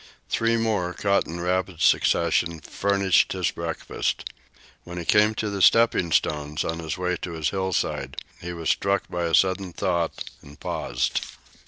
Three more, caught in rapid succession, furnished his breakfast. When he came to the stepping stones on his way to his hillside, he was struck by a sudden thought, and paused.